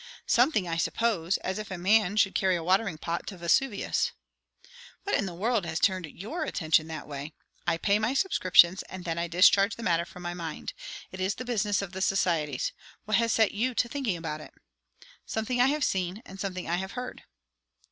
"Something, I suppose. As if a man should carry a watering pot to Vesuvius." "What in the world has turned your attention that way? I pay my subscriptions, and then I discharge the matter from my mind. It is the business of the societies. What has set you to thinking about it?" "Something I have seen, and something I have heard."